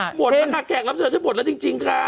หมดแล้วค่ะแขกรับเชิญฉันหมดแล้วจริงค่ะ